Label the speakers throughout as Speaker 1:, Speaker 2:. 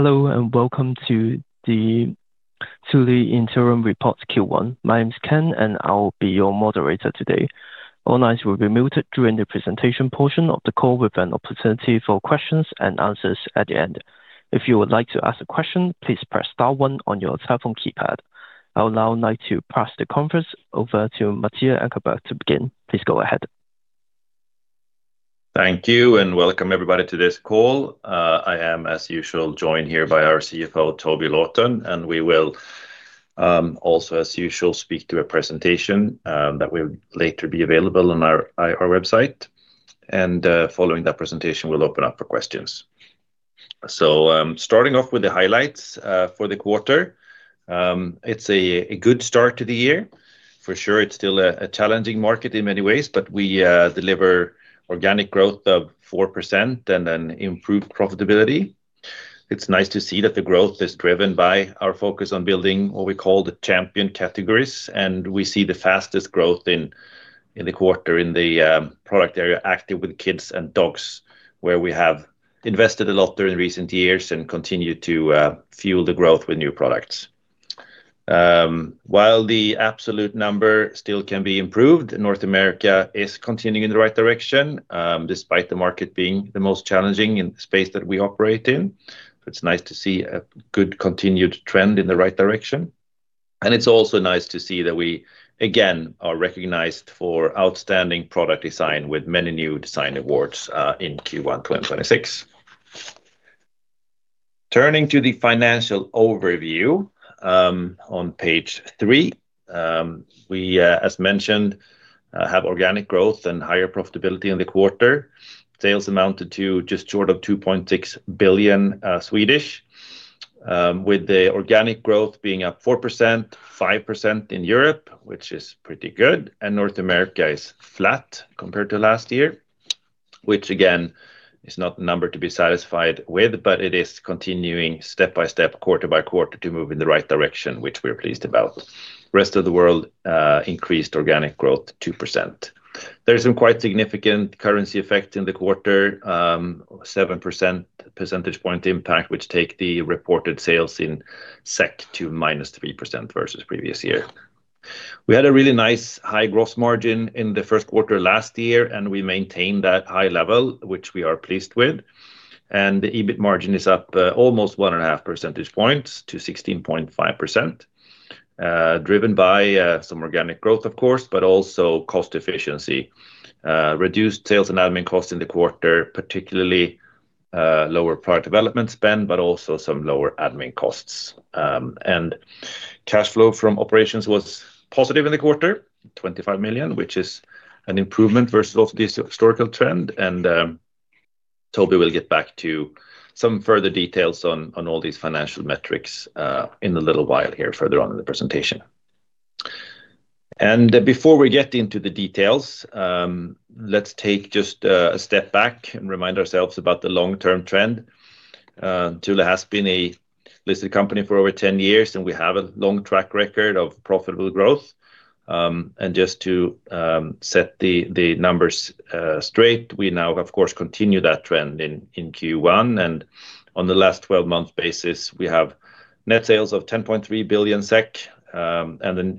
Speaker 1: Hello, welcome to the Thule Interim Report Q1. My name is Ken, I'll be your moderator today. All lines will be muted during the presentation portion of the call with an opportunity for questions and answers at the end. If you would like to ask a question, please press star one on your telephone keypad. I would now like to pass the conference over to Mattias Ankerberg to begin. Please go ahead.
Speaker 2: Thank you, welcome everybody to this call. I am, as usual, joined here by our CFO, Toby Lawton, and we will, also, as usual, speak to a presentation that will later be available on our website. Following that presentation, we'll open up for questions. Starting off with the highlights for the quarter. It's a good start to the year. For sure, it's still a challenging market in many ways, but we deliver organic growth of 4% and an improved profitability. It's nice to see that the growth is driven by our focus on building what we call the Champion categories, we see the fastest growth in the quarter in the product area, Active with Kids and Dogs, where we have invested a lot during recent years and continue to fuel the growth with new products. While the absolute number still can be improved, North America is continuing in the right direction despite the market being the most challenging in the space that we operate in. It's nice to see a good continued trend in the right direction. It's also nice to see that we, again, are recognized for outstanding product design with many new design awards in Q1 2026. Turning to the financial overview, on page three, we, as mentioned, have organic growth and higher profitability in the quarter. Sales amounted to just short of 2.6 billion, with the organic growth being up 4%, 5% in Europe, which is pretty good, and North America is flat compared to last year, which again, is not the number to be satisfied with, but it is continuing step by step, quarter by quarter to move in the right direction, which we're pleased about. Rest of the world increased organic growth 2%. There's some quite significant currency effect in the quarter, 7 percentage point impact, which take the reported sales in SEK to -3% versus previous year. We had a really nice high gross margin in the first quarter last year, we maintained that high level, which we are pleased with. The EBIT margin is up almost 1.5 percentage points to 16.5%, driven by some organic growth, of course, but also cost efficiency. Reduced sales and admin costs in the quarter, particularly lower product development spend, but also some lower admin costs. Cash flow from operations was positive in the quarter, 25 million, which is an improvement versus of this historical trend. Toby will get back to some further details on all these financial metrics in a little while here further on in the presentation. Before we get into the details, let's take just a step back and remind ourselves about the long-term trend. Thule has been a listed company for over 10 years, and we have a long track record of profitable growth. Just to set the numbers straight, we now, of course, continue that trend in Q1. On the last 12-month basis, we have net sales of 10.3 billion SEK, and an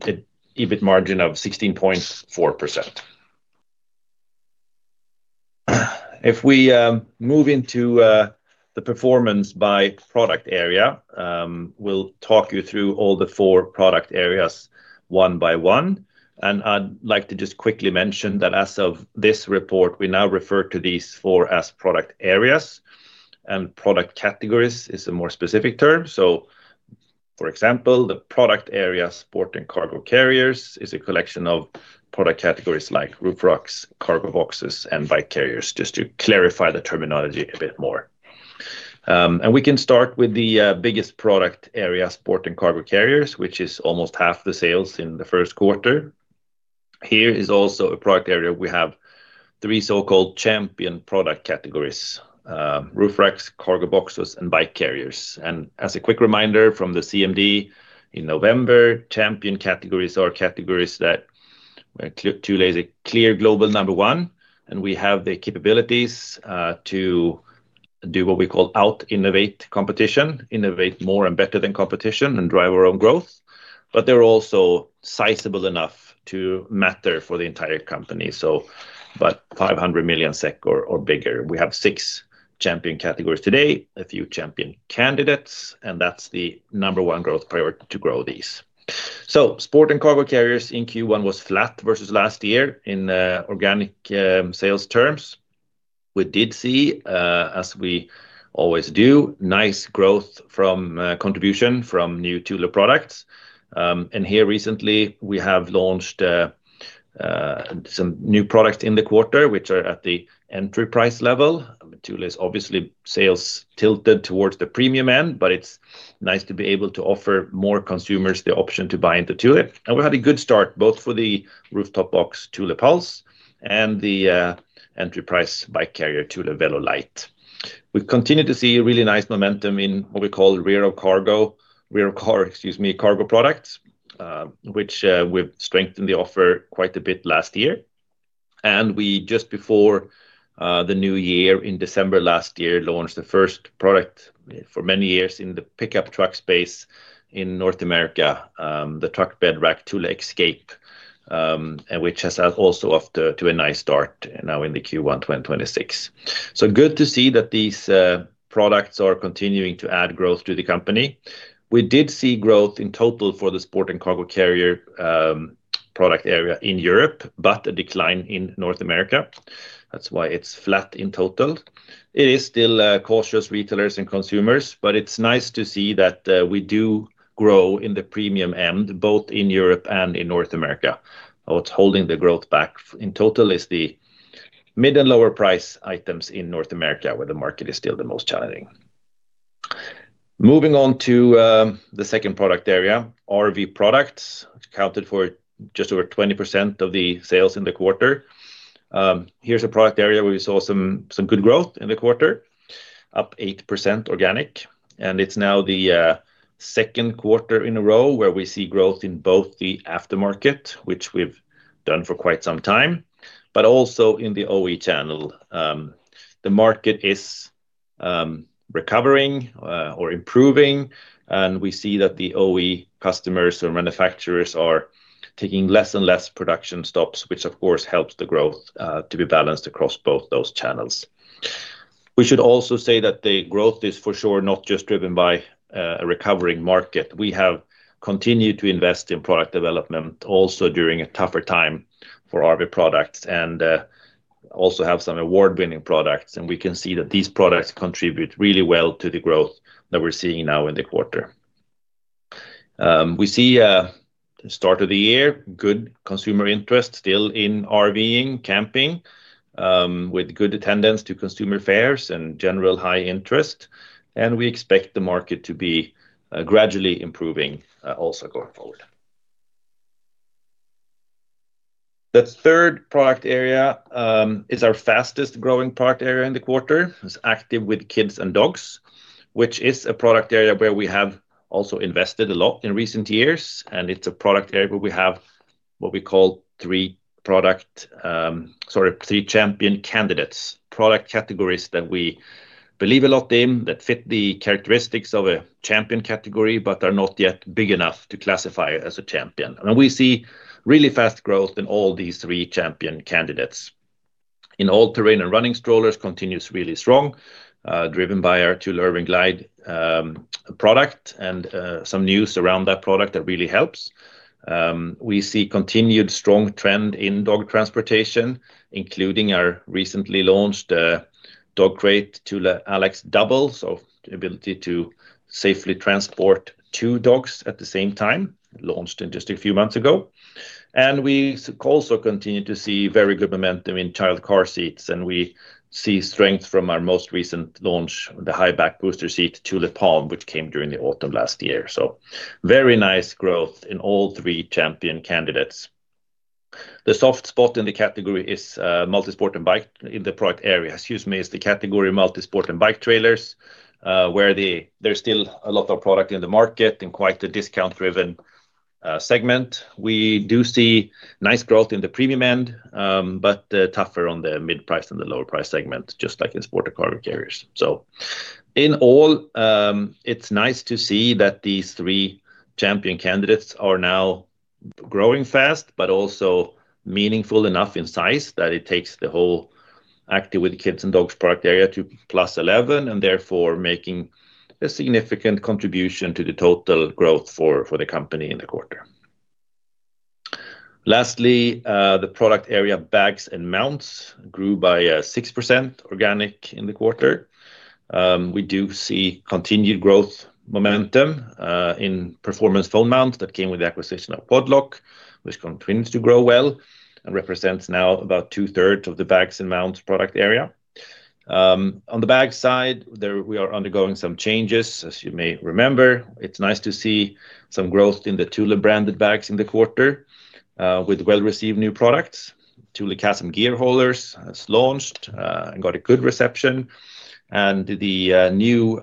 Speaker 2: EBIT margin of 16.4%. If we move into the performance by product area, we'll talk you through all the four product areas one by one. I'd like to just quickly mention that as of this report, we now refer to these four as product areas, and product categories is a more specific term. For example, the product area, Sport and Cargo Carriers, is a collection of product categories like roof racks, cargo boxes, and bike carriers, just to clarify the terminology a bit more. And we can start with the biggest product area, Sport and Cargo Carriers, which is almost half the sales in the first quarter. Here is also a product area we have three so-called Champion product categories, roof racks, cargo boxes, and bike carriers. And as a quick reminder from the CMD in November, Champion categories are categories that where Thule is a clear global number one, and we have the capabilities to do what we call out innovate competition, innovate more and better than competition and drive our own growth. But they're also sizable enough to matter for the entire company. About 500 million SEK or bigger. We have six Champion categories today, a few Champion candidates, and that's the number one growth priority to grow these. Sport and Cargo Carriers in Q1 was flat versus last year in organic sales terms. We did see, as we always do, nice growth from contribution from new Thule products. Here recently, we have launched some new products in the quarter, which are at the entry price level. Thule is obviously sales tilted towards the premium end, but it's nice to be able to offer more consumers the option to buy into Thule. We had a good start, both for the rooftop box, Thule Pulse, and the entry price bike carrier, Thule VeloLite. We've continued to see a really nice momentum in what we call rear car cargo, rear car, excuse me, cargo products, which we've strengthened the offer quite a bit last year. We just before the new year in December last year launched the first product for many years in the pickup truck space in North America, the truck bed rack Thule Xscape, which has also off to a nice start now in the Q1 2026. Good to see that these products are continuing to add growth to the company. We did see growth in total for the Sport and Cargo Carriers product area in Europe, but a decline in North America. That's why it's flat in total. It is still cautious retailers and consumers. It is nice to see that we do grow in the premium end both in Europe and in North America. What's holding the growth back in total is the mid and lower price items in North America, where the market is still the most challenging. Moving on to the second product area, RV Products, which accounted for just over 20% of the sales in the quarter. Here's a product area where we saw some good growth in the quarter, up 8% organic. It's now the second quarter in a row where we see growth in both the aftermarket, which we've done for quite some time, also in the OE channel. The market is recovering or improving. We see that the OE customers or manufacturers are taking less and less production stops, which of course helps the growth to be balanced across both those channels. We should also say that the growth is for sure not just driven by a recovering market. We have continued to invest in product development also during a tougher time for RV Products and also have some award-winning products. We can see that these products contribute really well to the growth that we're seeing now in the quarter. We see a start of the year, good consumer interest still in RVing, camping, with good attendance to consumer fairs and general high interest. We expect the market to be gradually improving also going forward. The third product area is our fastest-growing product area in the quarter. It's Active with Kids and Dogs, which is a product area where we have also invested a lot in recent years. It's a product area where we have what we call three Champion candidates, product categories that we believe a lot in that fit the characteristics of a Champion category but are not yet big enough to classify as a Champion. We see really fast growth in all these three Champion candidates. In all terrain and running strollers continues really strong, driven by our Thule Urban Glide product and some news around that product that really helps. We see continued strong trend in dog transportation, including our recently launched dog crate Thule Allax Double. The ability to safely transport two dogs at the same time, launched in just a few months ago. We also continue to see very good momentum in child car seats, and we see strength from our most recent launch, the high-back booster seat Thule Palm, which came during the autumn last year. Very nice growth in all three Champion Candidates. The soft spot in the category is multi-sport and bike in the product area. Excuse me, it's the category multi-sport and bike trailers, where there's still a lot of product in the market and quite a discount-driven segment. We do see nice growth in the premium end, but tougher on the mid-price and the lower-price segment, just like in Sport and Cargo Carriers. In all, it's nice to see that these three Champion Candidates are now growing fast but also meaningful enough in size that it takes the whole Active with Kids and Dogs product area to +11%, and therefore making a significant contribution to the total growth for the company in the quarter. Lastly, the product area bags and mounts grew by 6% organic in the quarter. We do see continued growth momentum in performance phone mounts that came with the acquisition of Quad Lock, which continues to grow well and represents now about two-thirds of the bags and mounts product area. On the bags side, there we are undergoing some changes. As you may remember, it's nice to see some growth in the Thule branded bags in the quarter with well-received new products. Thule Chasm gear haulers has launched and got a good reception. The new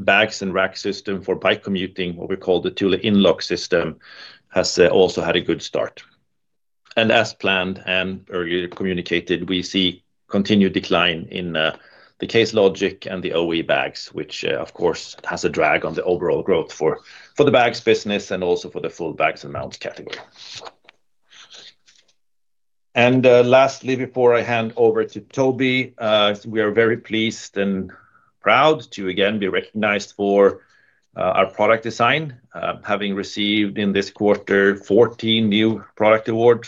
Speaker 2: bags and rack system for bike commuting, what we call the Thule InLock system, has also had a good start. As planned and earlier communicated, we see continued decline in the Case Logic and the OE bags, which, of course, has a drag on the overall growth for the bags business and also for the full bags and mounts category. Lastly, before I hand over to Toby, we are very pleased and proud to again be recognized for our product design, having received in this quarter 14 new product awards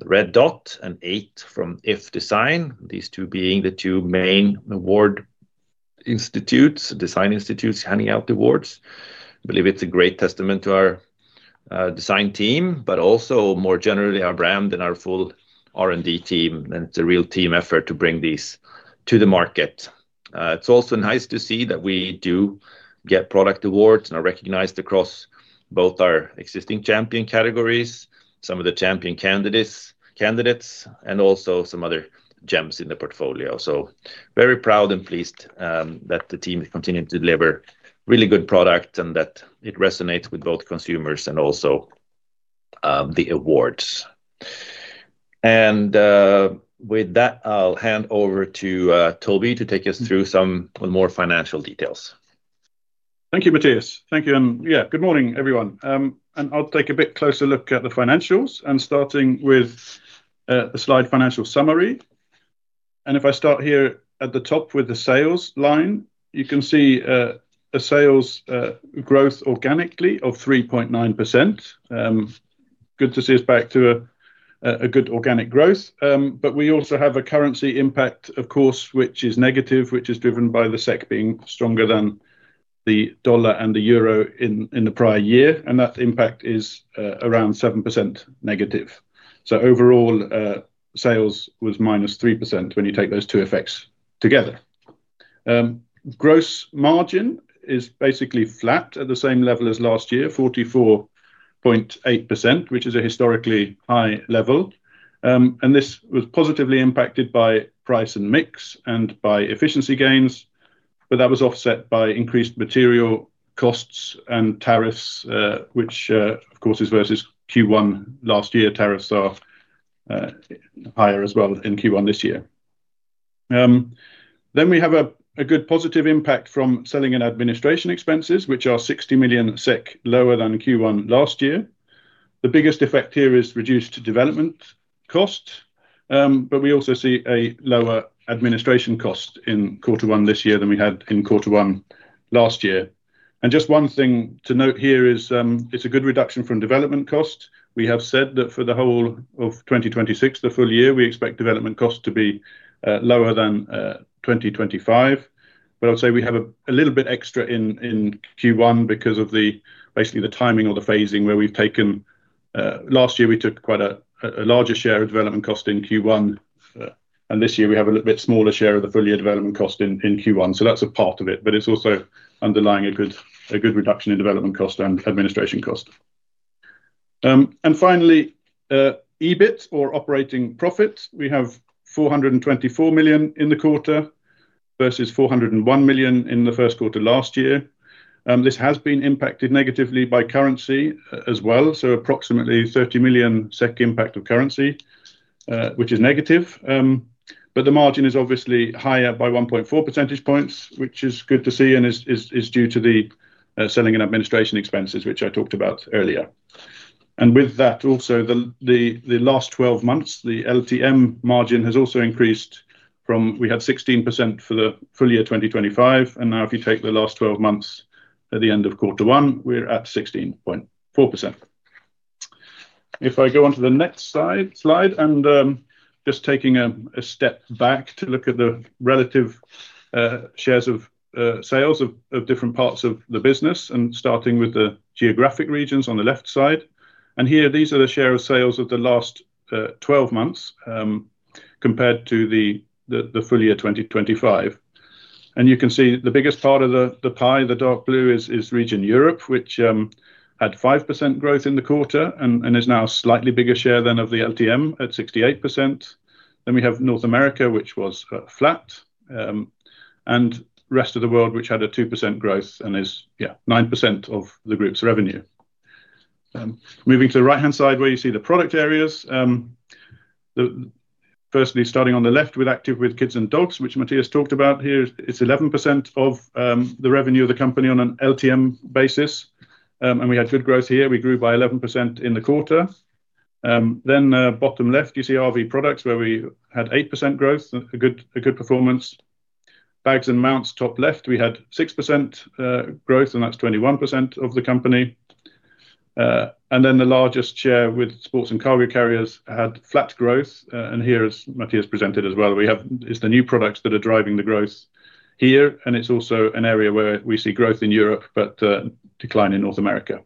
Speaker 2: from the Red Dot Design Award and eight from iF Design Award. These two being the two main award institutes, design institutes handing out awards. Believe it's a great testament to our design team, but also more generally our brand and our full R&D team. It's a real team effort to bring these to the market. It's also nice to see that we do get product awards and are recognized across both our existing Champion categories, some of the Champion Candidates, and also some other gems in the portfolio. Very proud and pleased that the team has continued to deliver really good product and that it resonates with both consumers and also the awards. With that, I'll hand over to Toby to take us through some more financial details.
Speaker 3: Thank you, Mattias. Thank you. Good morning, everyone. I'll take a bit closer look at the financials and starting with the slide financial summary. If I start here at the top with the sales line, you can see a sales growth organically of 3.9%. Good to see us back to a good organic growth. We also have a currency impact, of course, which is negative, which is driven by the SEK being stronger than the dollar and the euro in the prior year, and that impact is around 7% negative. Overall, sales was -3% when you take those two effects together. Gross margin is basically flat at the same level as last year, 44.8%, which is a historically high level. This was positively impacted by price and mix and by efficiency gains, but that was offset by increased material costs and tariffs, which of course is versus Q1 last year. Tariffs are higher as well in Q1 this year. We have a good positive impact from selling and administration expenses, which are 60 million SEK lower than Q1 last year. The biggest effect here is reduced development cost, but we also see a lower administration cost in Q1 this year than we had in Q1 last year. Just one thing to note here is it's a good reduction from development cost. We have said that for the whole of 2026, the full year, we expect development costs to be lower than 2025. I would say we have a little bit extra in Q1 because of basically the timing or the phasing where we've taken, last year, we took quite a larger share of development cost in Q1. This year we have a little bit smaller share of the full year development cost in Q1. That's a part of it, but it's also underlying a good reduction in development cost and administration cost. Finally, EBIT or operating profit. We have 424 million in the quarter versus 401 million in the first quarter last year. This has been impacted negatively by currency as well, approximately 30 million SEK impact of currency, which is negative. The margin is obviously higher by 1.4 percentage points, which is good to see and is due to the selling and administration expenses, which I talked about earlier. With that, also the last 12 months, the LTM margin has also increased. We had 16% for the full year 2025, and now if you take the last 12 months at the end of quarter one, we are at 16.4%. If I go onto the next slide and just taking a step back to look at the relative shares of sales of different parts of the business, starting with the geographic regions on the left side. Here, these are the share of sales of the last 12 months compared to the full year 2025. You can see the biggest part of the pie, the dark blue is region Europe, which had 5% growth in the quarter and is now a slightly bigger share than of the LTM at 68%. We have North America, which was flat, and rest of the world, which had a 2% growth and is 9% of the group's revenue. Moving to the right-hand side where you see the product areas. Firstly, starting on the left with Active Kids and Dogs, which Mattias talked about here, it's 11% of the revenue of the company on an LTM basis. We had good growth here. We grew by 11% in the quarter. Bottom left, you see RV Products where we had 8% growth, a good performance. Bags and mounts, top left, we had 6% growth, and that's 21% of the company. The largest share with Sport and Cargo Carriers had flat growth. Here, as Mattias presented as well, it's the new products that are driving the growth here, and it's also an area where we see growth in Europe but decline in North America.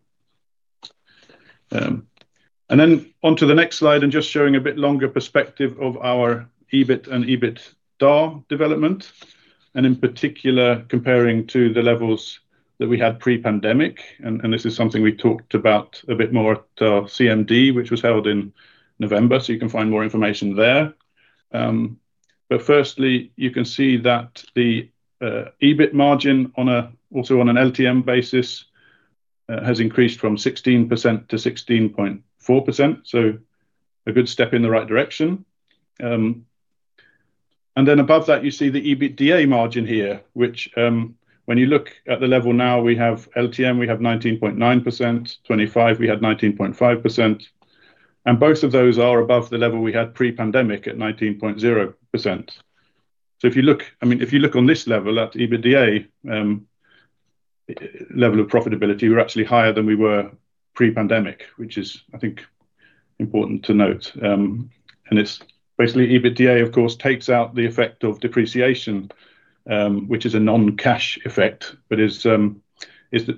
Speaker 3: Onto the next slide and just showing a bit longer perspective of our EBIT and EBITDAR development, and in particular, comparing to the levels that we had pre-pandemic. This is something we talked about a bit more at CMD, which was held in November. So you can find more information there. Firstly, you can see that the EBIT margin also on an LTM basis has increased from 16% to 16.4%, so a good step in the right direction. Above that, you see the EBITDA margin here, which, when you look at the level now, we have LTM, we have 19.9%, 2025, we had 19.5%, and both of those are above the level we had pre-pandemic at 19.0%. I mean, if you look on this level at EBITDA level of profitability, we're actually higher than we were pre-pandemic, which is, I think, important to note. It's basically EBITDA, of course, takes out the effect of depreciation, which is a non-cash effect, but is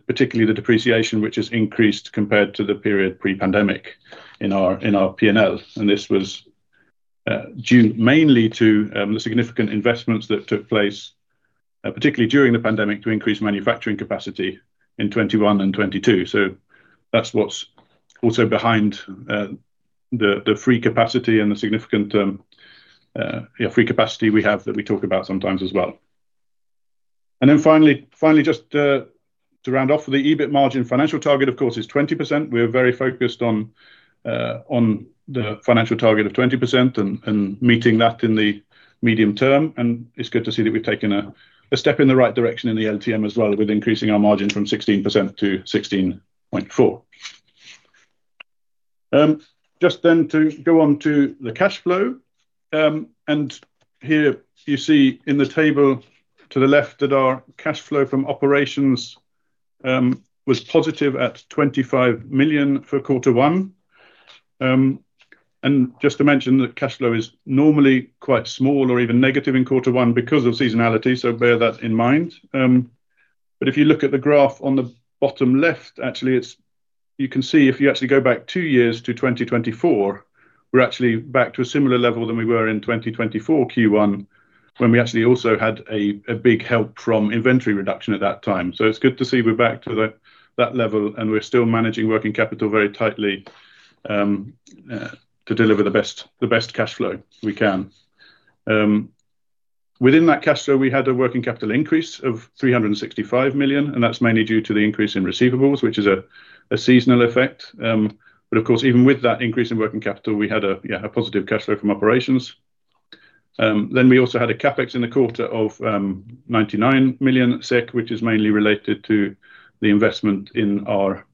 Speaker 3: particularly the depreciation which has increased compared to the period pre-pandemic in our P&L. This was due mainly to the significant investments that took place particularly during the pandemic to increase manufacturing capacity in 2021 and 2022. That's what's also behind the free capacity and the significant free capacity we have that we talk about sometimes as well. Finally, finally, just to round off for the EBIT margin financial target, of course, is 20%. We are very focused on the financial target of 20% and meeting that in the medium term. It's good to see that we've taken a step in the right direction in the LTM as well with increasing our margin from 16% to 16.4%. Just then to go on to the cash flow. Here you see in the table to the left that our cash flow from operations was positive at 25 million for Q1. Just to mention that cash flow is normally quite small or even negative in Q1 because of seasonality, so bear that in mind. If you look at the graph on the bottom left, actually you can see if you actually go back two years to 2024, we're actually back to a similar level than we were in 2024 Q1 when we actually also had a big help from inventory reduction at that time. It's good to see we're back to that level, and we're still managing working capital very tightly to deliver the best cash flow we can. Within that cash flow, we had a working capital increase of 365 million, and that's mainly due to the increase in receivables, which is a seasonal effect. Of course, even with that increase in working capital, we had a positive cash flow from operations. We also had a CapEx in the quarter of 99 million SEK, which is mainly related to the investment in our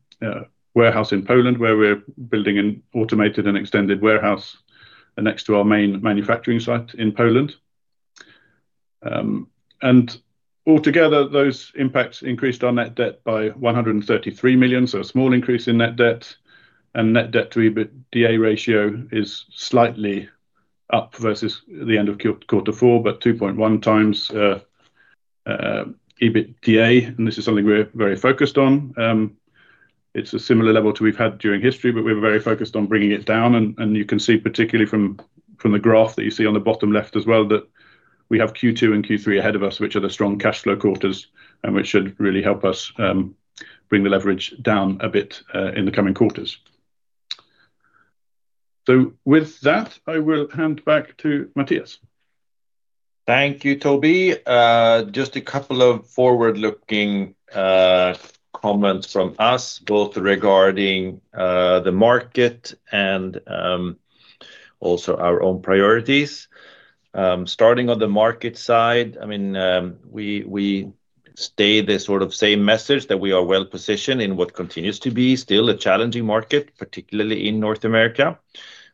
Speaker 3: warehouse in Poland, where we're building an automated and extended warehouse next to our main manufacturing site in Poland. Altogether, those impacts increased our net debt by 133 million, so a small increase in net debt. Net debt to EBITDA ratio is slightly up versus the end of quarter four, but 2.1x EBITDA, this is something we're very focused on. It's a similar level to we've had during history, we're very focused on bringing it down. You can see particularly from the graph that you see on the bottom left as well that we have Q2 and Q3 ahead of us, which are the strong cash flow quarters and which should really help us bring the leverage down a bit in the coming quarters. With that, I will hand back to Mattias.
Speaker 2: Thank you, Toby. Just a couple of forward-looking comments from us, both regarding the market and also our own priorities. Starting on the market side, I mean, we stay the sort of same message that we are well-positioned in what continues to be still a challenging market, particularly in North America.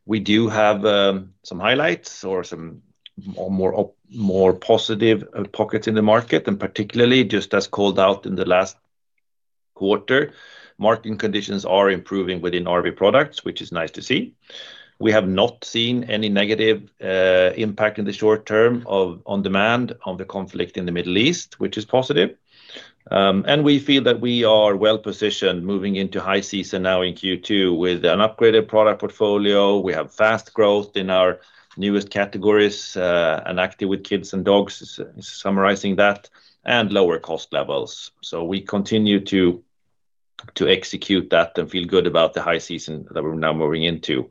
Speaker 2: We do have some highlights or some more positive pockets in the market. Particularly, just as called out in the last quarter, market conditions are improving within RV Products, which is nice to see. We have not seen any negative impact in the short term on demand on the conflict in the Middle East, which is positive. We feel that we are well-positioned moving into high season now in Q2 with an upgraded product portfolio. We have fast growth in our newest categories, Active with Kids and Dogs, summarizing that, and lower cost levels. We continue to execute that and feel good about the high season that we are now moving into.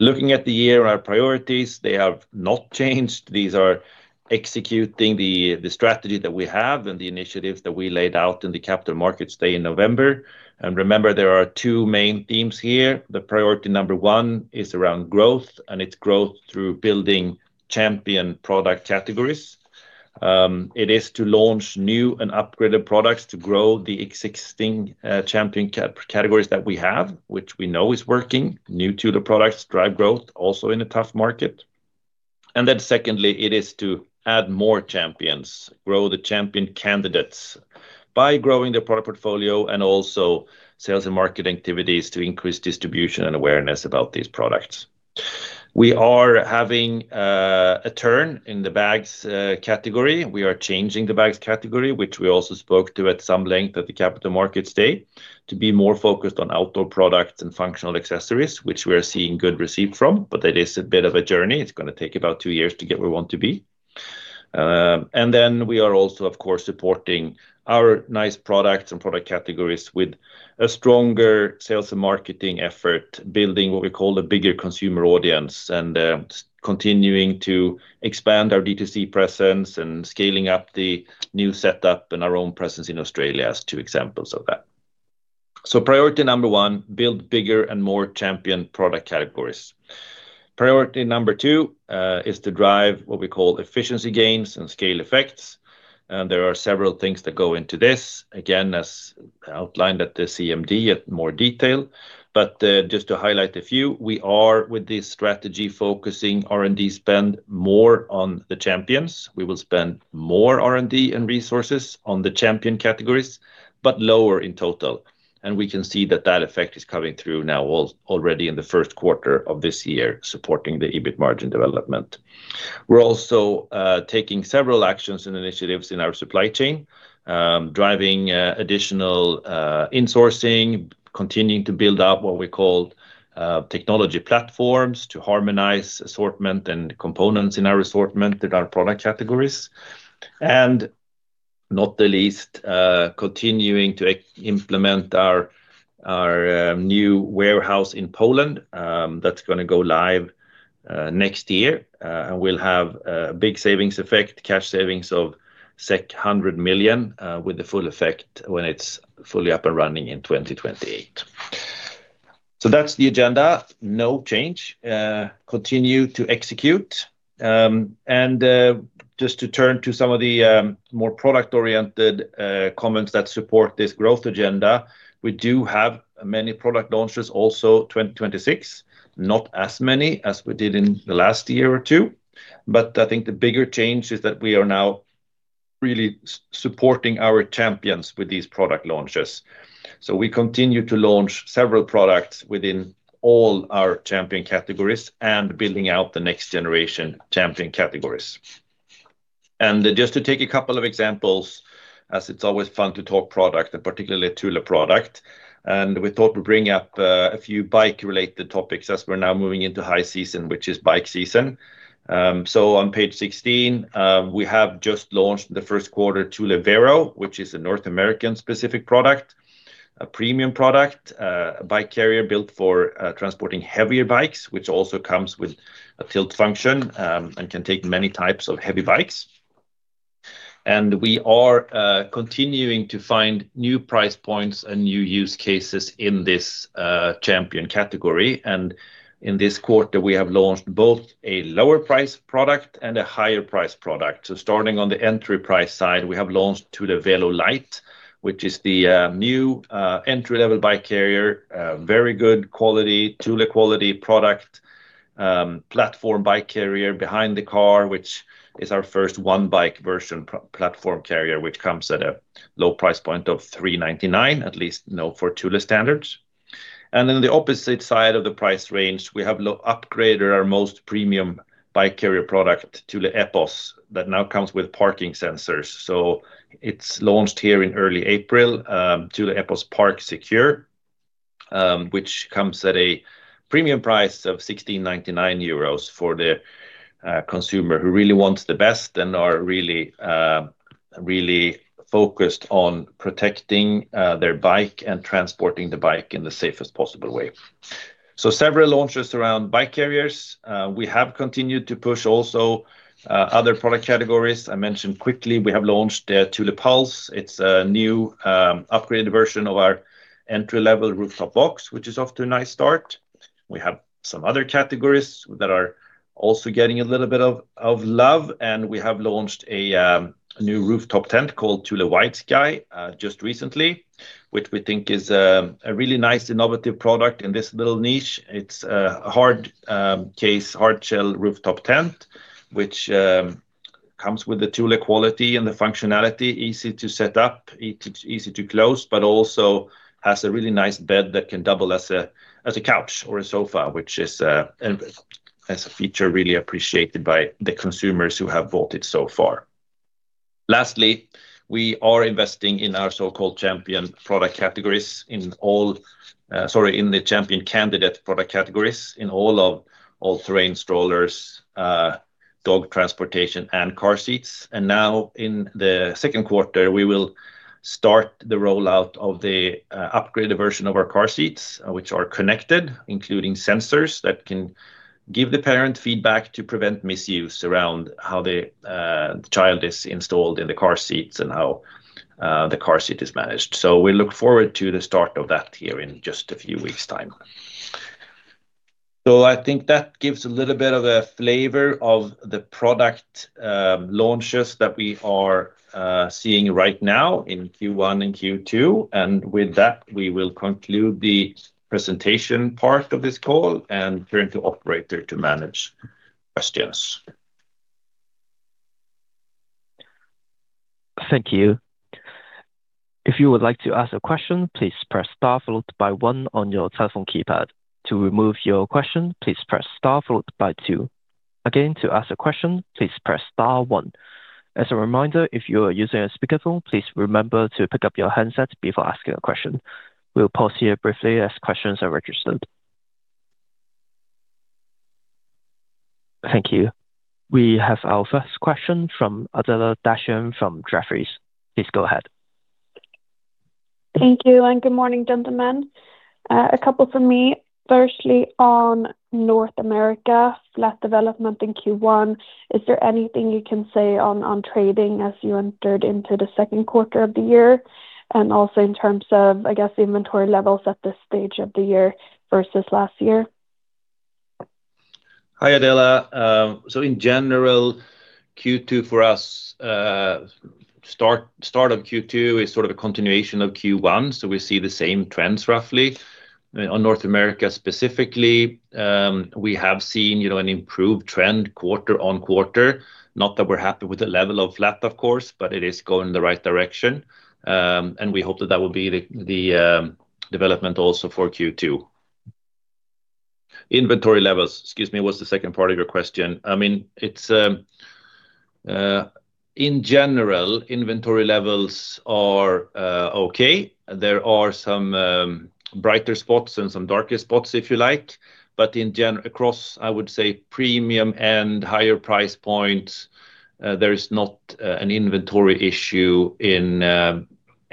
Speaker 2: Looking at the year, our priorities, they have not changed. These are executing the strategy that we have and the initiatives that we laid out in the Capital Markets Day in November. Remember, there are two main themes here. The priority number one is around growth, and it is growth through building Champion product categories. It is to launch new and upgraded products to grow the existing Champion categories that we have, which we know is working. New Thule products drive growth also in a tough market. Secondly, it is to add more Champion categories, grow the Champion Candidates by growing the product portfolio and also sales and market activities to increase distribution and awareness about these products. We are having a turn in the Bags category. We are changing the Bags category, which we also spoke to at some length at the Capital Markets Day, to be more focused on outdoor products and functional accessories, which we are seeing good receipt from. It is a bit of a journey. It's gonna take about two years to get where we want to be. We are also, of course, supporting our nice products and product categories with a stronger sales and marketing effort, building what we call a bigger consumer audience, and continuing to expand our D2C presence and scaling up the new setup and our own presence in Australia as two examples of that. Priority number one, build bigger and more Champion product categories. Priority number two, is to drive what we call efficiency gains and scale effects. There are several things that go into this, again, as outlined at the CMD at more detail. Just to highlight a few, we are, with this strategy, focusing R&D spend more on the Champions. We will spend more R&D and resources on the Champion categories, but lower in total. We can see that that effect is coming through now already in the first quarter of this year, supporting the EBIT margin development. We're also taking several actions and initiatives in our supply chain, driving additional insourcing, continuing to build up what we call technology platforms to harmonize assortment and components in our assortment in our product categories. Not the least, continuing to implement our new warehouse in Poland, that's going to go live next year. We'll have a big savings effect, cash savings of 100 million, with the full effect when it's fully up and running in 2028. That's the agenda. No change. Continue to execute. Just to turn to some of the more product-oriented comments that support this growth agenda. We do have many product launches also 2026. Not as many as we did in the last year or two. I think the bigger change is that we are now really supporting our Champion categories with these product launches. We continue to launch several products within all our Champion categories and building out the next generation Champion categories. Just to take a couple of examples, as it's always fun to talk product and particularly Thule product. We thought we'd bring up a few bike-related topics as we're now moving into high season, which is bike season. On page 16, we have just launched the first quarter Thule Velo, which is a North American-specific product, a premium product, a bike carrier built for transporting heavier bikes, which also comes with a tilt function and can take many types of heavy bikes. We are continuing to find new price points and new use cases in this Champion category. In this quarter, we have launched both a lower price product and a higher price product. Starting on the entry price side, we have launched Thule VeloLite, which is the new entry-level bike carrier. Very good quality, Thule quality product, platform bike carrier behind the car, which is our first one bike version platform carrier, which comes at a low price point of 399, at least, you know, for Thule standards. The opposite side of the price range, we have upgraded our most premium bike carrier product, Thule Epos, that now comes with parking sensors. It's launched here in early April, Thule Epos ParkSecure, which comes at a premium price of 1,699 euros for the consumer who really wants the best and are really focused on protecting their bike and transporting the bike in the safest possible way. Several launches around bike carriers. We have continued to push also other product categories. I mentioned quickly, we have launched the Thule Pulse. It's a new, upgraded version of our entry-level rooftop box, which is off to a nice start. We have some other categories that are also getting a little bit of love, and we have launched a new rooftop tent called Thule Widesky just recently, which we think is a really nice innovative product in this little niche. It's a hard shell rooftop tent, which comes with the Thule quality and the functionality. Easy to set up, easy to close, but also has a really nice bed that can double as a couch or a sofa, which is as a feature really appreciated by the consumers who have bought it so far. Lastly, we are investing in our so-called Champion candidate product categories in all of all-terrain strollers, dog transportation, and car seats. Now in the second quarter, we will start the rollout of the upgraded version of our car seats, which are connected, including sensors that can give the parent feedback to prevent misuse around how the child is installed in the car seats and how the car seat is managed. We look forward to the start of that here in just a few weeks' time. I think that gives a little bit of a flavor of the product launches that we are seeing right now in Q1 and Q2. With that, we will conclude the presentation part of this call and turn to operator to manage questions.
Speaker 1: Thank you. If you would like to ask a question, please press star followed by one on your telephone keypad. To remove your question, please press star followed by two. Again, to ask a question, please press star one. As a reminder, if you are using a speakerphone, please remember to pick up your handset before asking a question. We will pause here briefly as questions are registered. Thank you. We have our first question from Adela Dashian from Jefferies. Please go ahead.
Speaker 4: Thank you, and good morning, gentlemen. A couple from me. Firstly, on North America flat development in Q1, is there anything you can say on trading as you entered into the second quarter of the year? Also in terms of, I guess, inventory levels at this stage of the year versus last year.
Speaker 2: Hi, Adela. In general, Q2 for us, start of Q2 is sort of a continuation of Q1. We see the same trends roughly. On North America specifically, we have seen, you know, an improved trend quarter-on-quarter. Not that we're happy with the level of flat, of course, but it is going in the right direction. We hope that that will be the development also for Q2. Inventory levels. Excuse me, what's the second part of your question? I mean, it's in general, inventory levels are okay. There are some brighter spots and some darker spots, if you like. Across, I would say premium and higher price points, there is not an inventory issue in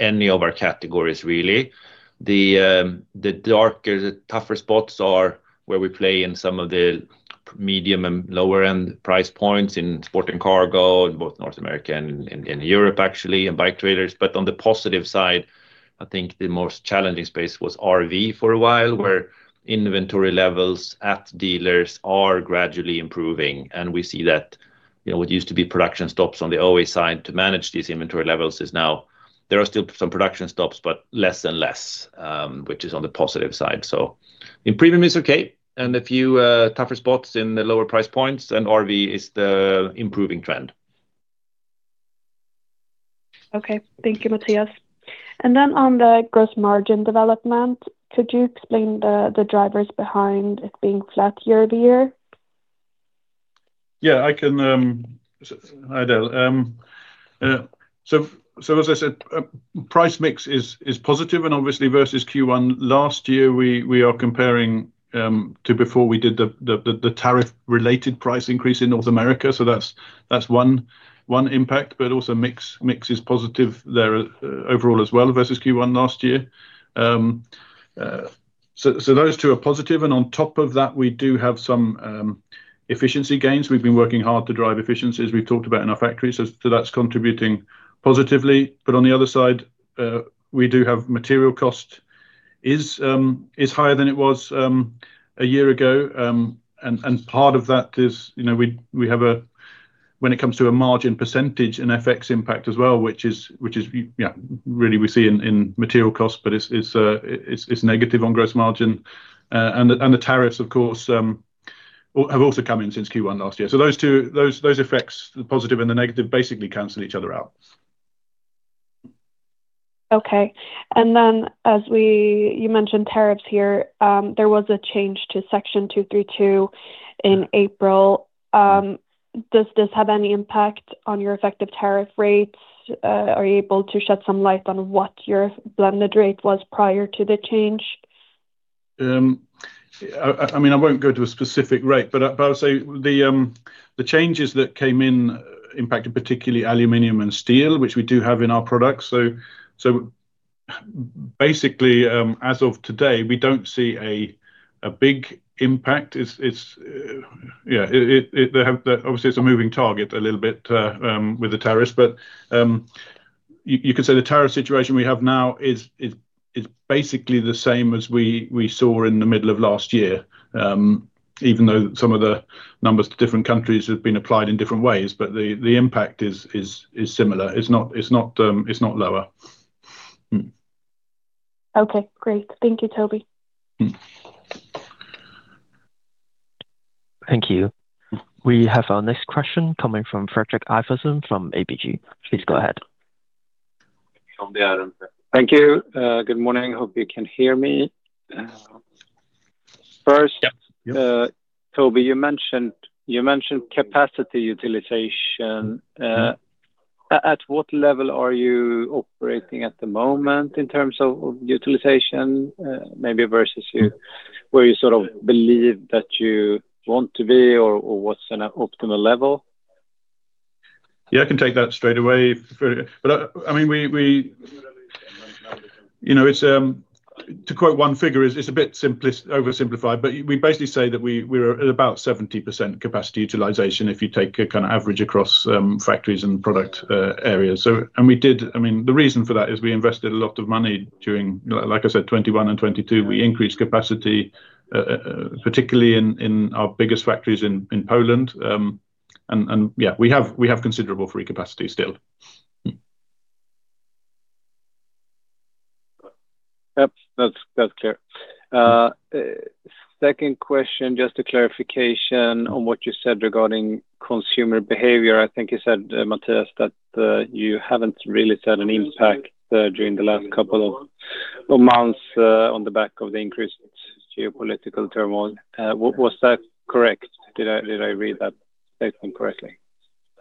Speaker 2: any of our categories really. The darker, the tougher spots are where we play in some of the medium and lower end price points in Sport and Cargo in both North America and Europe actually, and bike trailers. On the positive side, I think the most challenging space was RV for a while, where inventory levels at dealers are gradually improving. We see that, you know, what used to be production stops on the OE side to manage these inventory levels is now there are still some production stops, but less and less, which is on the positive side. In premium it's okay. A few tougher spots in the lower price points, and RV is the improving trend.
Speaker 4: Okay. Thank you, Mattias. Then on the gross margin development, could you explain the drivers behind it being flat year-over-year?
Speaker 3: Hi, Adela. As I said, price mix is positive and obviously versus Q1 last year, we are comparing to before we did the tariff related price increase in North America. That's one impact. Also mix is positive there overall as well versus Q1 last year. Those two are positive. On top of that, we do have some efficiency gains. We've been working hard to drive efficiencies, we've talked about in our factories, so that's contributing positively. On the other side, we do have material cost is higher than it was a year ago. Part of that is we have a. When it comes to a margin percentage and FX impact as well, which is, yeah, really we see in material costs, but it's negative on gross margin. The tariffs of course have also come in since Q1 last year. Those two effects, the positive and the negative, basically cancel each other out.
Speaker 4: Okay. You mentioned tariffs here, there was a change to Section 232 in April. Does this have any impact on your effective tariff rates? Are you able to shed some light on what your blended rate was prior to the change?
Speaker 3: I mean, I won't go to a specific rate, but I'll say the changes that came in impacted particularly aluminum and steel, which we do have in our products. Basically, as of today, we don't see a big impact. Obviously, it's a moving target a little bit with the tariffs. You could say the tariff situation we have now is basically the same as we saw in the middle of last year. Even though some of the numbers to different countries have been applied in different ways, the impact is similar. It's not lower.
Speaker 4: Okay, great. Thank you, Toby.
Speaker 3: Mm.
Speaker 1: Thank you. We have our next question coming from Fredrik Ivarsson from ABG. Please go ahead.
Speaker 5: Thank you. Good morning. Hope you can hear me.
Speaker 3: Yeah. Yeah.
Speaker 5: Toby, you mentioned capacity utilization. At what level are you operating at the moment in terms of utilization, maybe versus you, where you sort of believe that you want to be or what's an optimal level?
Speaker 3: Yeah, I can take that straight away for you. I mean, we, you know, it's to quote one figure, it's oversimplified, but we basically say that we're at about 70% capacity utilization if you take a kind of average across factories and product areas. I mean, the reason for that is we invested a lot of money during, like I said, 2021 and 2022. We increased capacity particularly in our biggest factories in Poland. And yeah, we have considerable free capacity still.
Speaker 5: Yep. That's clear. Second question, just a clarification on what you said regarding consumer behavior. I think you said, Mattias, that you haven't really seen an impact during the last couple of months on the back of the increased geopolitical turmoil. Was that correct? Did I read that statement correctly?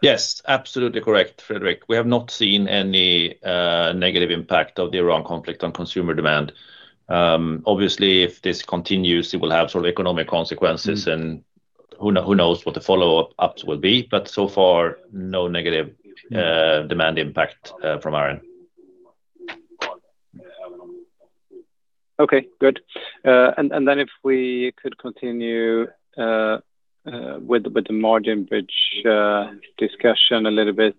Speaker 2: Yes, absolutely correct, Fredrik. We have not seen any negative impact of the Iran conflict on consumer demand. Obviously, if this continues, it will have sort of economic consequences.
Speaker 5: Mm...
Speaker 2: and who knows what the follow-ups will be. So far, no negative demand impact from our end.
Speaker 5: Okay, good. If we could continue with the margin bridge discussion a little bit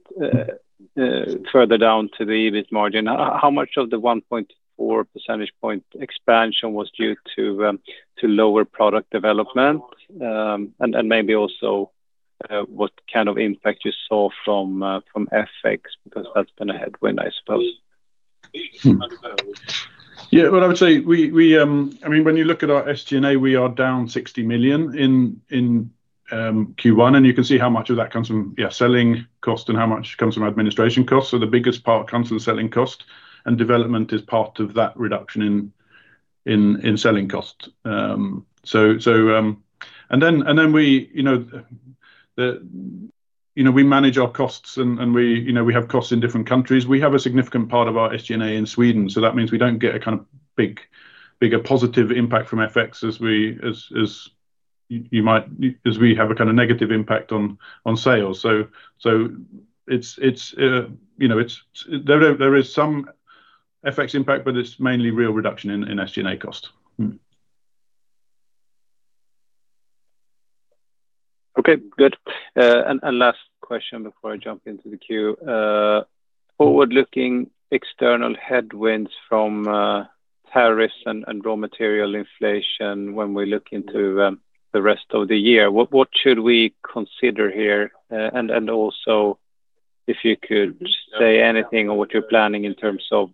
Speaker 5: further down to the EBIT margin. How much of the 1.4 percentage point expansion was due to lower product development? Maybe also what kind of impact you saw from FX, because that's been a headwind, I suppose.
Speaker 3: Well, I would say we, I mean, when you look at our SG&A, we are down 60 million in Q1, and you can see how much of that comes from selling cost and how much comes from administration cost. The biggest part comes from selling cost, and development is part of that reduction in selling cost. We, you know, we manage our costs and we, you know, we have costs in different countries. We have a significant part of our SG&A in Sweden, that means we don't get a kind of big, bigger positive impact from FX as you might. We have a kind of negative impact on sales. There is some FX impact, but it's mainly real reduction in SG&A cost.
Speaker 5: Okay, good. Last question before I jump into the queue. Forward-looking external headwinds from tariffs and raw material inflation when we look into the rest of the year. What should we consider here? Also if you could say anything on what you're planning in terms of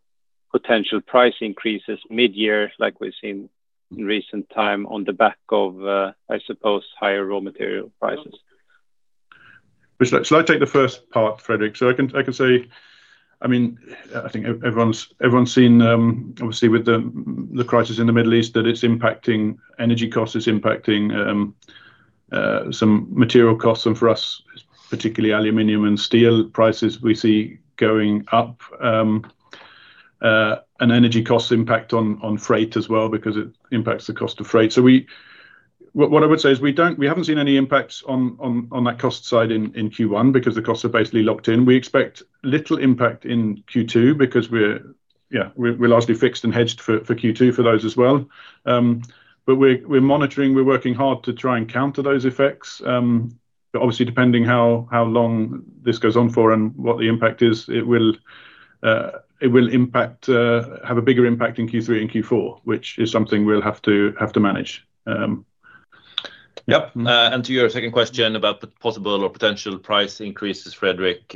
Speaker 5: potential price increases mid-year like we've seen in recent time on the back of I suppose higher raw material prices.
Speaker 3: Shall I take the first part, Fredrik? I can say, I mean, I think everyone's seen, obviously with the crisis in the Middle East that it's impacting energy costs, it's impacting some material costs and for us, particularly aluminum and steel prices we see going up. Energy costs impact on freight as well because it impacts the cost of freight. What I would say is we haven't seen any impacts on that cost side in Q1 because the costs are basically locked in. We expect little impact in Q2 because we're largely fixed and hedged for Q2 for those as well. We're monitoring, we're working hard to try and counter those effects. Obviously depending how long this goes on for and what the impact is, it will have a bigger impact in Q3 and Q4, which is something we'll have to manage.
Speaker 2: Yep. To your second question about the possible or potential price increases, Fredrik,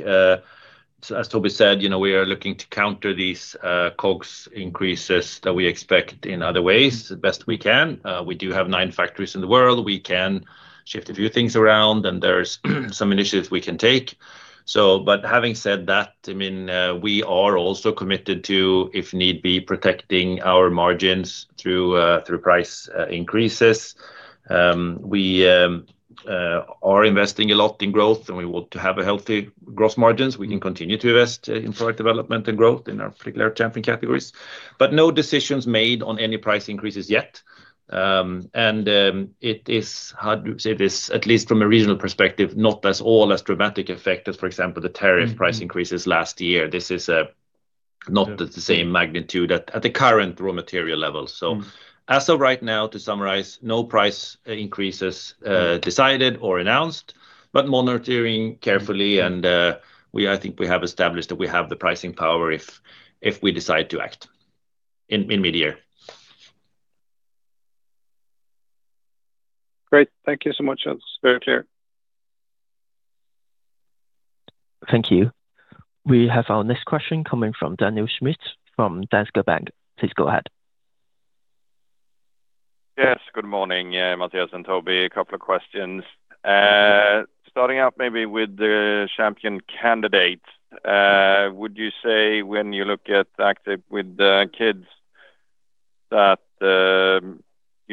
Speaker 2: as Toby said, you know, we are looking to counter these COGS increases that we expect in other ways as best we can. We do have nine factories in the world. We can shift a few things around, and there's some initiatives we can take. Having said that, I mean, we are also committed to, if need be, protecting our margins through price increases. We are investing a lot in growth, and we want to have a healthy gross margins. We can continue to invest in product development and growth in our particular champion categories. No decisions made on any price increases yet. It is hard to say this, at least from a regional perspective, not as all as dramatic effect as, for example, the tariff price increases last year. This is not the same magnitude at the current raw material level. As of right now, to summarize, no price increases decided or announced, but monitoring carefully and I think we have established that we have the pricing power if we decide to act in mid-year.
Speaker 5: Great. Thank you so much. That is very clear.
Speaker 1: Thank you. We have our next question coming from Daniel Schmidt from Danske Bank. Please go ahead.
Speaker 6: Yes. Good morning, yeah, Mattias and Toby. A couple of questions. Starting out maybe with the Champion Candidate. Would you say when you look at Active with Kids that you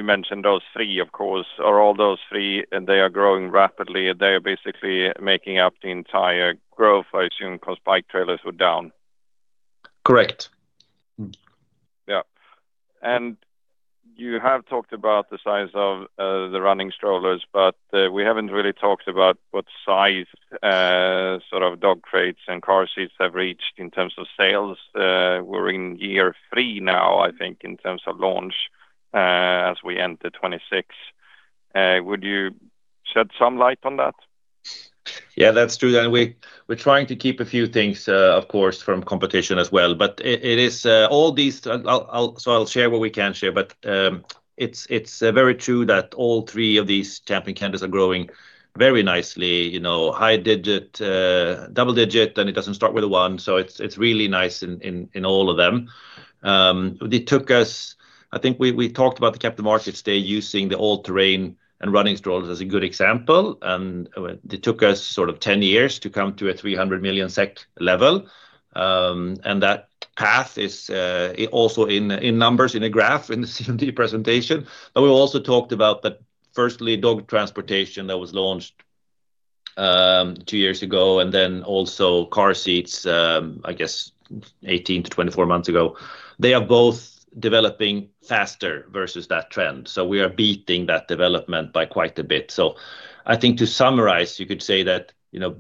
Speaker 6: mentioned those three, of course. Are all those three and they are growing rapidly, they are basically making up the entire growth, I assume, because bike trailers were down?
Speaker 2: Correct.
Speaker 6: Yeah. You have talked about the size of the running strollers, but we haven't really talked about what size sort of dog crates and car seats have reached in terms of sales. We're in year three now, I think, in terms of launch, as we enter 2026. Would you shed some light on that?
Speaker 2: That's true. We're trying to keep a few things, of course, from competition as well. It is. I'll share what we can share. It's very true that all three of these champion candidates are growing very nicely, you know. High digit, double digit, it doesn't start with a one. It's really nice in all of them. I think we talked about the Capital Markets Day using the all-terrain and running strollers as a good example. It took us sort of 10 years to come to a 300 million SEK level. That path is also in numbers in a graph in the CMD presentation. We also talked about that firstly, dog transportation that was launched, two years ago, and then also car seats, I guess 18-24 months ago. They are both developing faster versus that trend. We are beating that development by quite a bit. I think to summarize, you could say that, you know,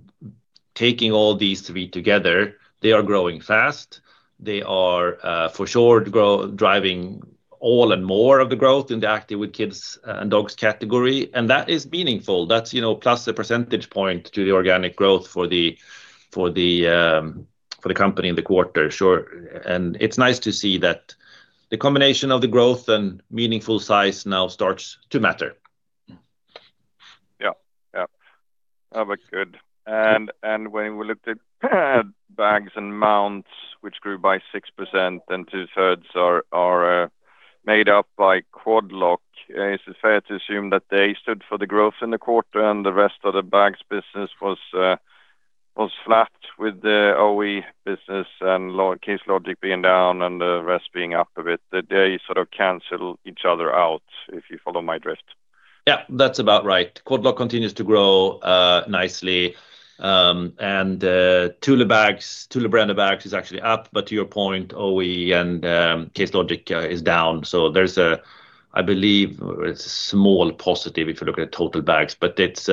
Speaker 2: taking all these three together, they are growing fast. They are for sure driving all and more of the growth in the Active with Kids and Dogs category, and that is meaningful. That's, you know, +1 percentage point to the organic growth for the company in the quarter. Sure. It's nice to see that the combination of the growth and meaningful size now starts to matter.
Speaker 6: Yeah. Yeah. That was good. When we looked at bags and mounts, which grew by 6% and two thirds are made up by Quad Lock, is it fair to assume that they stood for the growth in the quarter and the rest of the bags business was flat with the OE business and Case Logic being down and the rest being up a bit, that they sort of cancel each other out, if you follow my drift?
Speaker 2: Yeah, that's about right. Quad Lock continues to grow nicely. Thule bags, Thule brand of bags is actually up, but to your point, OE and Case Logic is down. I believe it's a small positive if you look at total bags. It's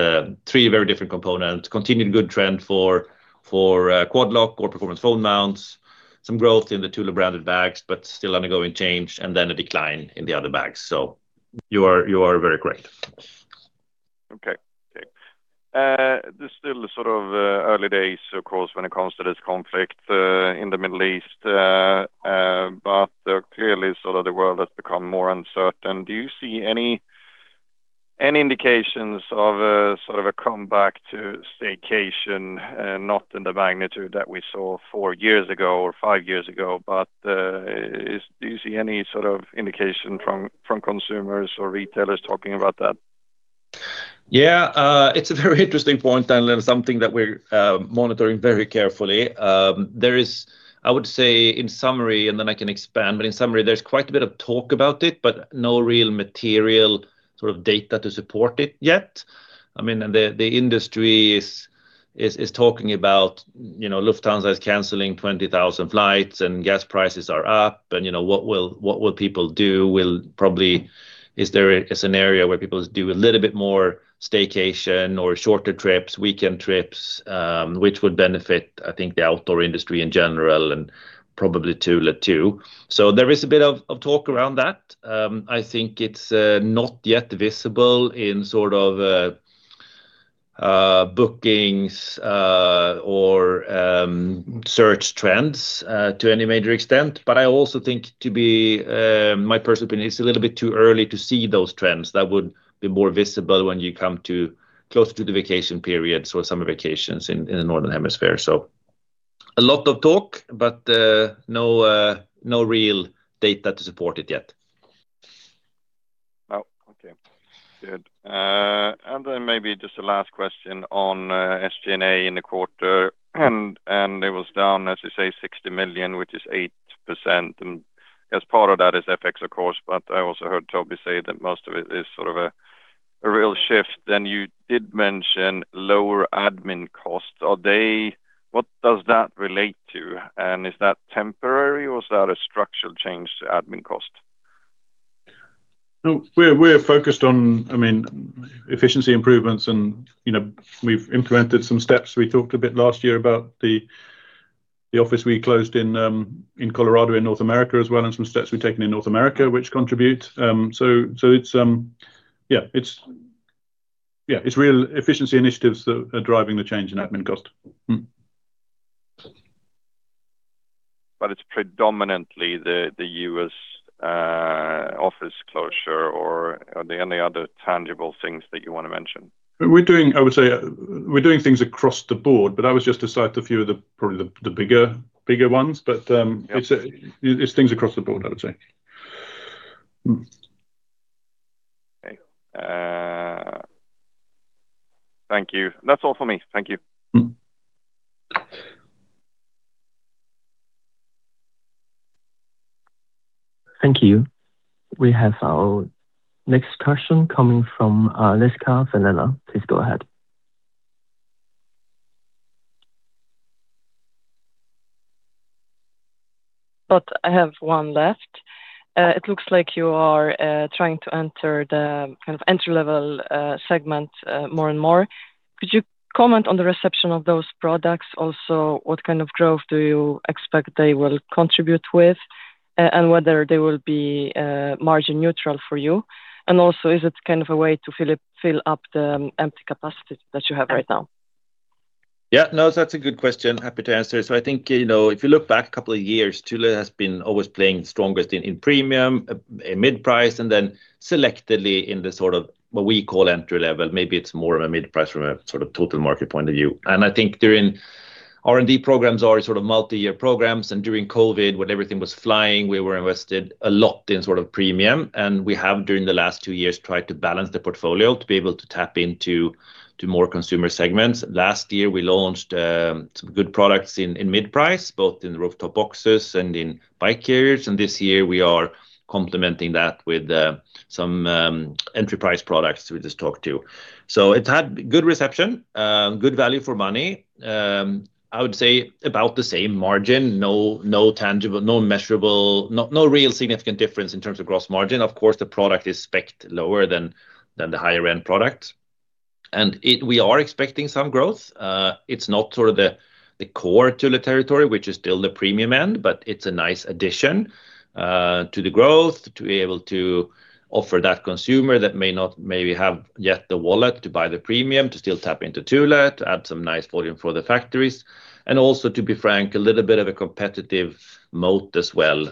Speaker 2: three very different components. Continued good trend for Quad Lock or performance phone mounts. Some growth in the Thule branded bags, but still undergoing change, and then a decline in the other bags. You are very correct.
Speaker 6: Okay. Okay. This is still sort of early days, of course, when it comes to this conflict in the Middle East. Clearly sort of the world has become more uncertain. Do you see any indications of a sort of a comeback to staycation? Not in the magnitude that we saw four years ago or five years ago, but do you see any sort of indication from consumers or retailers talking about that?
Speaker 2: Yeah. It's a very interesting point, and something that we're monitoring very carefully. I would say in summary, and then I can expand, but in summary, there's quite a bit of talk about it, but no real material sort of data to support it yet. I mean, the industry is talking about, you know, Lufthansa is canceling 20,000 flights. Gas prices are up. You know, what will people do? Is there a scenario where people do a little bit more staycation or shorter trips, weekend trips, which would benefit, I think, the outdoor industry in general and probably Thule too. There is a bit of talk around that. I think it's not yet visible in sort of bookings or search trends to any major extent. I also think to be, my personal opinion, it's a little bit too early to see those trends. That would be more visible when you come to closer to the vacation periods or summer vacations in the Northern Hemisphere. A lot of talk, but no real data to support it yet.
Speaker 6: Okay. Good. Maybe just a last question on SG&A in the quarter, and it was down, as you say, 60 million, which is 8%. As part of that is FX, of course, but I also heard Toby say that most of it is sort of a real shift. You did mention lower admin costs. What does that relate to? Is that temporary or is that a structural change to admin cost?
Speaker 3: No, we're focused on, I mean, efficiency improvements and, you know, we've implemented some steps. We talked a bit last year about the office we closed in Colorado, in North America as well, and some steps we've taken in North America which contribute. It's, yeah, it's real efficiency initiatives that are driving the change in admin cost.
Speaker 6: It's predominantly the U.S. office closure or are there any other tangible things that you wanna mention?
Speaker 3: I would say we're doing things across the board, I was just to cite a few of the, probably the bigger ones.
Speaker 6: Yeah
Speaker 3: it's things across the board, I would say.
Speaker 6: Okay. Thank you. That's all for me. Thank you.
Speaker 3: Mm.
Speaker 1: Thank you. We have our next question coming from Liz Kay, BNP Paribas Exane. Please go ahead.
Speaker 7: I have one left. It looks like you are trying to enter the kind of entry-level segment more and more. Could you comment on the reception of those products? What kind of growth do you expect they will contribute with, and whether they will be margin neutral for you? Is it kind of a way to fill up the empty capacity that you have right now?
Speaker 2: That's a good question. Happy to answer. I think, if you look back couple of years, Thule has been always playing strongest in premium and mid-price, and then selectively in the sort of what we call entry level. Maybe it's more of a mid-price from a sort of total market point of view. I think during R&D programs are sort of multi-year programs, and during COVID, when everything was flying, we were invested a lot in sort of premium. We have, during the last two years, tried to balance the portfolio to be able to tap into more consumer segments. Last year, we launched some good products in mid-price, both in rooftop boxes and in bike carriers. This year we are complementing that with some entry price products we just talked to. It had good reception, good value for money. I would say about the same margin. No tangible, no measurable, no real significant difference in terms of gross margin. Of course, the product is specced lower than the higher end product. We are expecting some growth. It's not sort of the core Thule territory, which is still the premium end, but it's a nice addition to the growth to be able to offer that consumer that may not maybe have yet the wallet to buy the premium, to still tap into Thule, to add some nice volume for the factories. Also, to be frank, a little bit of a competitive moat as well,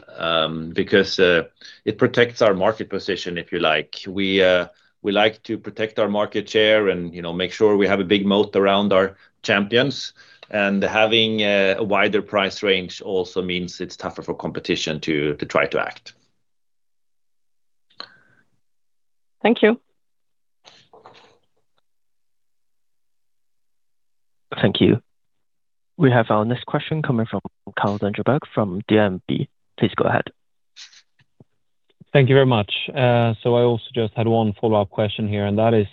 Speaker 2: because it protects our market position, if you like. We like to protect our market share and, you know, make sure we have a big moat around our champions. Having a wider price range also means it's tougher for competition to try to act.
Speaker 7: Thank you.
Speaker 1: Thank you. We have our next question coming from Carl Deijenberg from DNB. Please go ahead.
Speaker 8: Thank you very much. I also just had one follow-up question here. That is,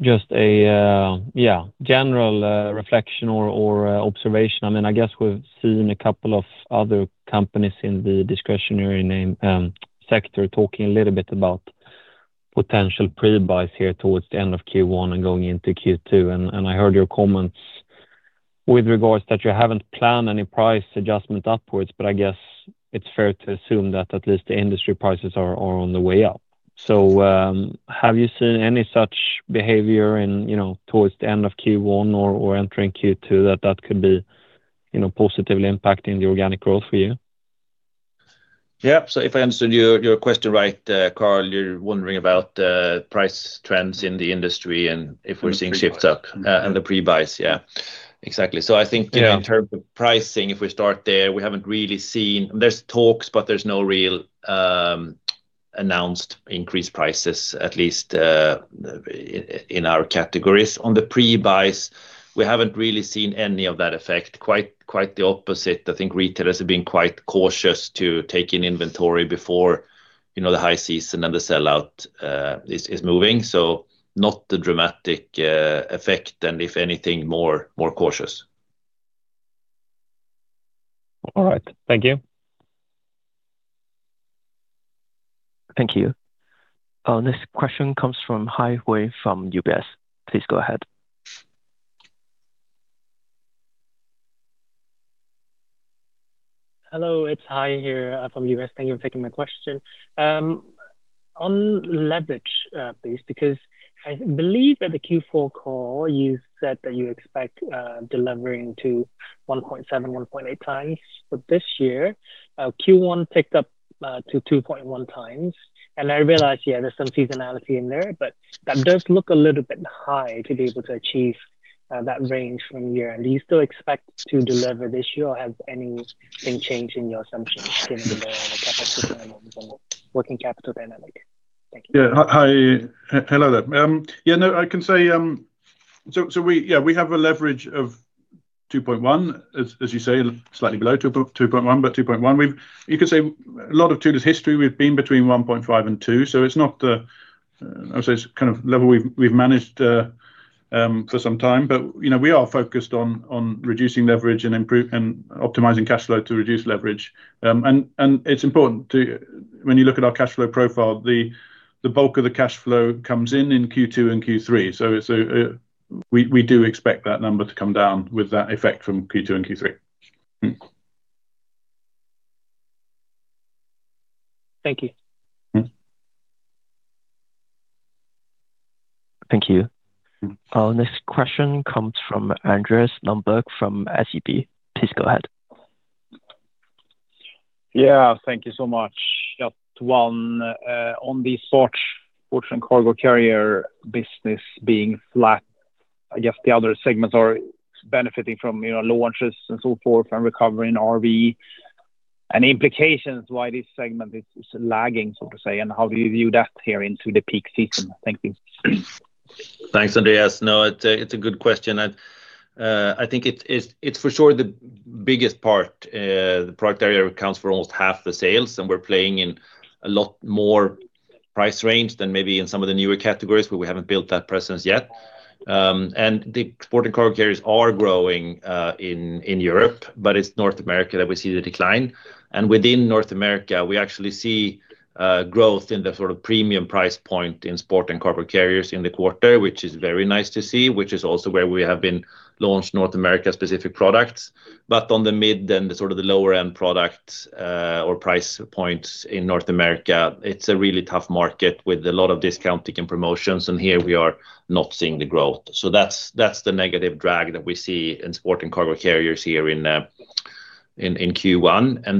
Speaker 8: just a general reflection or observation. I mean, I guess we've seen a couple of other companies in the discretionary name, sector talking a little bit about potential pre-buys here towards the end of Q1 and going into Q2. I heard your comments with regards that you haven't planned any price adjustment upwards, but I guess it's fair to assume that at least the industry prices are on the way up. Have you seen any such behavior in, you know, towards the end of Q1 or entering Q2 that could be, you know, positively impacting the organic growth for you?
Speaker 2: Yeah. If I understood your question right, Carl, you're wondering about price trends in the industry and if we're seeing shifts up?
Speaker 8: The pre-buys....
Speaker 2: and the pre-buys. Yeah. Exactly.
Speaker 8: Yeah
Speaker 2: In terms of pricing, if we start there, we haven't really seen. There's talks, but there's no real announced increased prices at least in our categories. On the pre-buys, we haven't really seen any of that effect. Quite the opposite. I think retailers have been quite cautious to take in inventory before, you know, the high season and the sellout is moving. Not the dramatic effect, and if anything, more cautious.
Speaker 8: All right. Thank you.
Speaker 1: Thank you. Our next question comes from Hai Wei from UBS. Please go ahead.
Speaker 9: Hello, it's Louise Wiseur here from UBS. Thank you for taking my question. On leverage, please, because I believe at the Q4 call you said that you expect delivering to 1.7x-1.8x. This year, Q1 picked up to 2.1 xx. I realize, yeah, there's some seasonality in there, but that does look a little bit high to be able to achieve that range from here. Do you still expect to deliver this year or has anything changed in your assumptions in the capital dynamic and working capital dynamic? Thank you.
Speaker 3: Louise, hello there. I can say, we have a leverage of 2.1x, as you say, slightly below 2.1x, but 2.1x. You could say a lot of Thule's history we've been between 1.5x and 2x. It's not the, I would say it's kind of level we've managed for some time. You know, we are focused on reducing leverage and optimizing cash flow to reduce leverage. When you look at our cash flow profile, the bulk of the cash flow comes in in Q2 and Q3. We do expect that number to come down with that effect from Q2 and Q3.
Speaker 9: Thank you.
Speaker 3: Mm.
Speaker 1: Thank you.
Speaker 3: Mm.
Speaker 1: Our next question comes from Gustav Hagéus from SEB. Please go ahead.
Speaker 10: Yeah. Thank you so much. Just one, on the Sport and Cargo Carriers business being flat, I guess the other segments are benefiting from, you know, launches and so forth and recovering RV. Any implications why this segment is lagging, so to say, and how do you view that here into the peak season? Thank you.
Speaker 2: Thanks, Gustav. No, it's a good question, and I think it's for sure the biggest part. The product area accounts for almost half the sales, and we're playing in a lot more price range than maybe in some of the newer categories where we haven't built that presence yet. The Sport and Cargo Carriers are growing in Europe, but it's North America that we see the decline. Within North America, we actually see growth in the sort of premium price point in Sport and Cargo Carriers in the quarter, which is very nice to see, which is also where we have been launched North America specific products. On the mid and the sort of the lower end products, or price points in North America, it's a really tough market with a lot of discounting and promotions, and here we are not seeing the growth. That's the negative drag that we see in Sport and Cargo Carriers here in Q1. I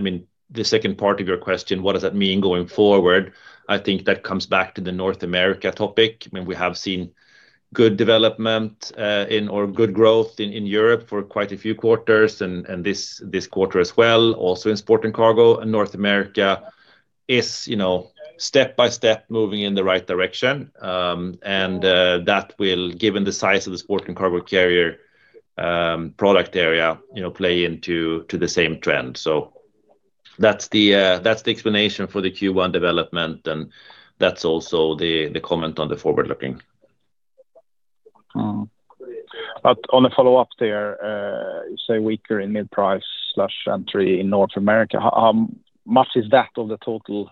Speaker 2: mean, the second part of your question, what does that mean going forward? I think that comes back to the North America topic. I mean, we have seen good development in or good growth in Europe for quite a few quarters and this quarter as well, also in Sport and Cargo. North America is, you know, step by step moving in the right direction. That will, given the size of the Sport and Cargo Carriers, product area, you know, play into to the same trend. That's the, that's the explanation for the Q1 development, and that's also the comment on the forward looking.
Speaker 10: On a follow-up there, you say weaker in mid-price/entry in North America. How much is that of the total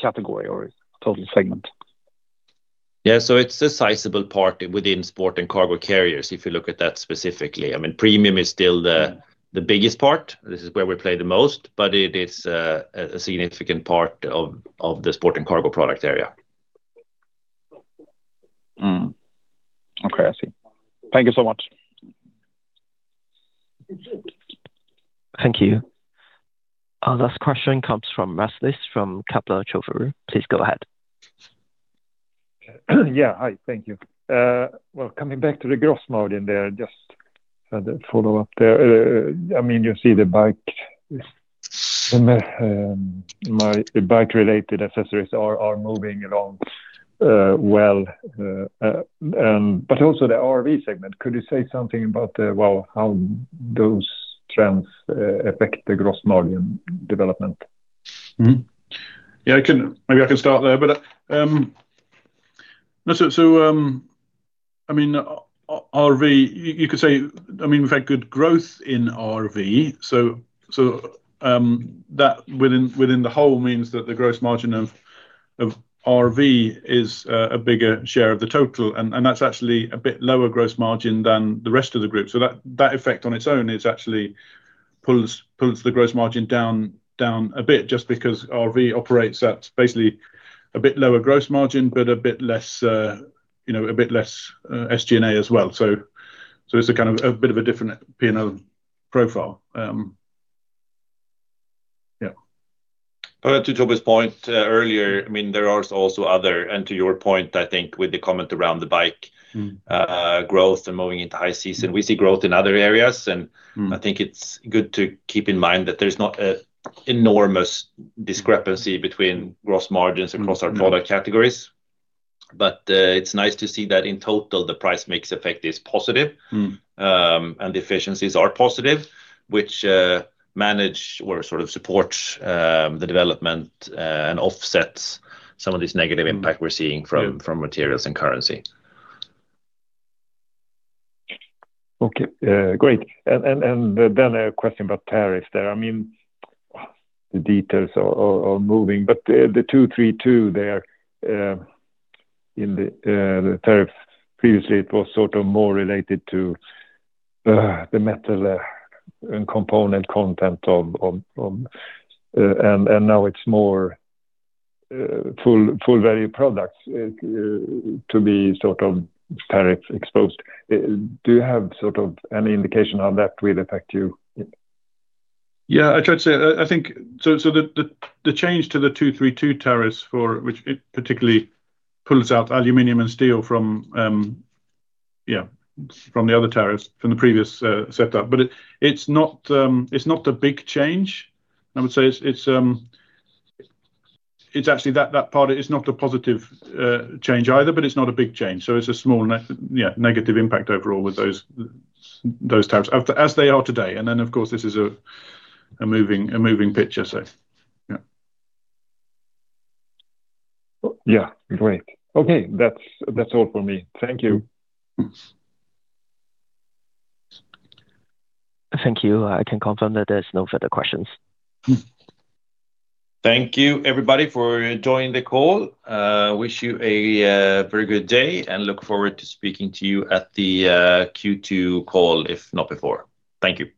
Speaker 10: category or total segment?
Speaker 2: Yeah. It's a sizable part within Sport and Cargo Carriers, if you look at that specifically. I mean, premium is still.
Speaker 10: Mm
Speaker 2: The biggest part. This is where we play the most, but it is a significant part of the Sport and Cargo product area.
Speaker 10: Okay. I see. Thank you so much.
Speaker 1: Thank you. Our last question comes from Mats Liss from Kepler Cheuvreux. Please go ahead.
Speaker 11: Yeah. Hi. Thank you. Well, coming back to the gross margin there, just had a follow-up there. I mean, you see the bike is My bike related accessories are moving along well. Also the RV segment, could you say something about how those trends affect the gross margin development?
Speaker 3: Yeah, maybe I can start there. I mean, RV, you could say, I mean, we've had good growth in RV. That within the whole means that the gross margin of RV is a bigger share of the total. That's actually a bit lower gross margin than the rest of the group. That effect on its own is actually pulls the gross margin down a bit just because RV operates at basically a bit lower gross margin, but a bit less, you know, a bit less SG&A as well. It's a kind of a bit of a different P&L profile. Yeah.
Speaker 2: To Toby's point, earlier, I mean, there are also. To your point, I think with the comment around the bike-
Speaker 11: Mm-hmm...
Speaker 2: growth and moving into high season, we see growth in other areas.
Speaker 11: Mm-hmm
Speaker 2: I think it's good to keep in mind that there's not a enormous discrepancy between gross margins across our product categories. It's nice to see that in total, the price mix effect is positive.
Speaker 11: Mm-hmm.
Speaker 2: The efficiencies are positive, which manage or sort of support the development and offsets some of this negative impact we're seeing.
Speaker 11: Yeah
Speaker 2: from materials and currency.
Speaker 11: Okay, great. Then a question about tariffs there. I mean, the details are moving, but the Section 232 there in the tariff. Previously, it was sort of more related to the metal component content of, and now it's more full value products to be sort of tariff exposed. Do you have sort of any indication how that will affect you?
Speaker 3: I tried to say the change to the Section 232 tariffs for which it particularly pulls out aluminum and steel from the other tariffs from the previous setup. It's not a big change. I would say it's actually that part is not a positive change either, it's not a big change. It's a small negative impact overall with those tariffs as they are today. Of course, this is a moving picture.
Speaker 11: Yeah. Great. Okay. That's all for me. Thank you.
Speaker 1: Thank you. I can confirm that there's no further questions.
Speaker 3: Mm-hmm.
Speaker 2: Thank you, everybody, for joining the call. Wish you a very good day, and look forward to speaking to you at the Q2 call, if not before. Thank you.